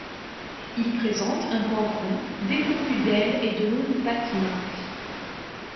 Ils présentent un corps rond, dépourvu d'ailes et de longues pattes minces.